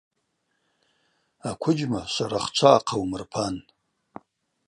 Аквыджьма шварах чва ахъаумырпан.